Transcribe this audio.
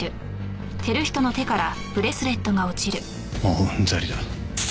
もううんざりだ。